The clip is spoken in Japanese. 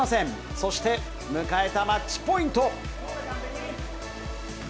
そして、迎えたマッチポイント。